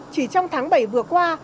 chỉ trong tháng bảy vừa qua